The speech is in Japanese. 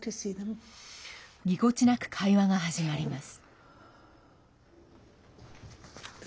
ぎこちなく会話が始まります。